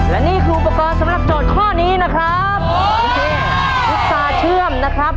และนี่คืออุปกรณ์สำหรับโจทย์ข้อนี้นะครับโอเคพุษาเชื่อมนะครับ